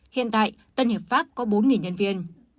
hiện tại tân hiệp pháp có bốn nhân viên